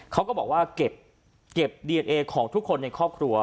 เขาก็บอกว่าเก็บดีเอนเอของทุกคนในครอบครัว